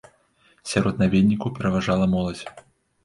Сярод наведнікаў пераважала моладзь.